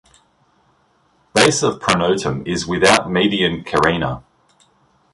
Base of pronotum is without median carina.